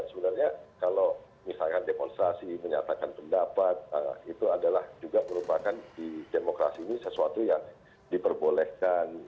sebenarnya kalau misalkan demonstrasi menyatakan pendapat itu adalah juga merupakan di demokrasi ini sesuatu yang diperbolehkan